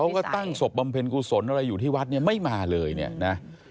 เขาก็ตั้งศพบำเพ็ญกุศลอะไรอยู่ที่วัดเนี่ยไม่มาเลยเนี่ยนะ